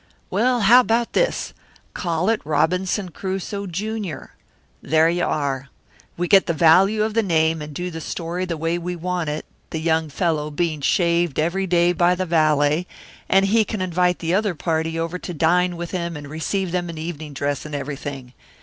"Well, how about this? Call it Robinson Crusoe, Junior! There you are. We get the value of the name and do the story the way we want it, the young fellow being shaved every day by the valet, and he can invite the other party over to dine with him and receive them in evening dress and everything.